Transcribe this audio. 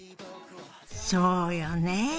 そうよね。